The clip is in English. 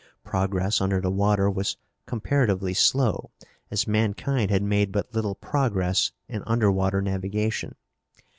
Progress under the water was comparatively slow, as mankind had made but little progress in underwater navigation.